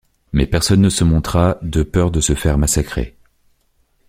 Mais personne ne se montra, de peur de se faire massacrer.